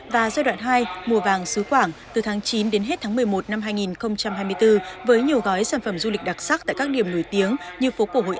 và giai đoạn hai mùa vàng xứ quảng từ tháng chín đến hết tháng một mươi một năm hai nghìn hai mươi bốn với nhiều gói sản phẩm du lịch đặc sắc tại các điểm nổi tiếng như phố cổ hội